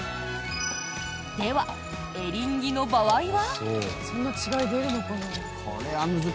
では、エリンギの場合は？